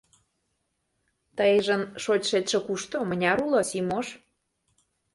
— Тыйжын шочшетше кушто, мыняр уло, Симош?